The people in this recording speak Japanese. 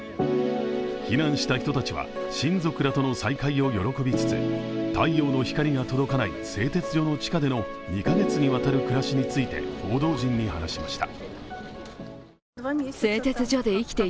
避難した人たちは親族らとの再会を喜びつつ太陽の光が届かない製鉄所の地下での２カ月にわたる暮らしについて報道陣に話しました。